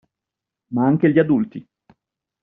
Ma anche gli adulti.